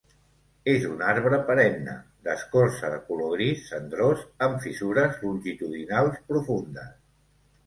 És un arbre perenne, d'escorça de color gris cendrós amb fissures longitudinals profundes.